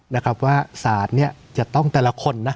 นะครับว่าศาลเนี่ยจะต้องแต่ละคนนะ